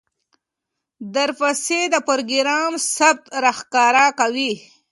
درپسې د پروګرام ثبت راښکاره کوي،